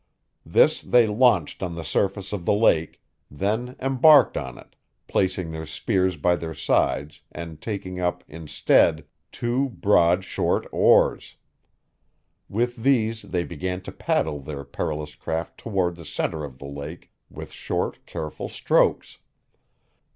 This they launched on the surface of the lake; then embarked on it, placing their spears by their sides and taking up, instead, two broad, short oars. With these they began to paddle their perilous craft toward the center of the lake with short, careful strokes.